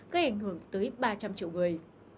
gây ảnh hưởng tới ba trăm linh triệu người